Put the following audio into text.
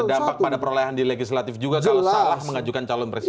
berdampak pada perolehan di legislatif juga kalau salah mengajukan calon presiden